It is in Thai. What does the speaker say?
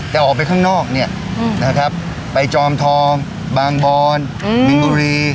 แต่ออกไปข้างนอกเนี่ยนะครับไปจอมทองบางบอนมินบุรี